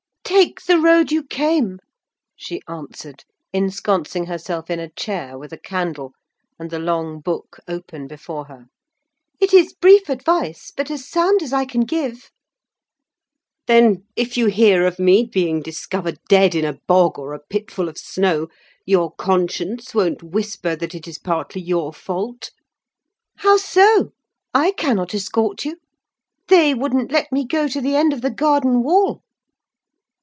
"Take the road you came," she answered, ensconcing herself in a chair, with a candle, and the long book open before her. "It is brief advice, but as sound as I can give." "Then, if you hear of me being discovered dead in a bog or a pit full of snow, your conscience won't whisper that it is partly your fault?" "How so? I cannot escort you. They wouldn't let me go to the end of the garden wall."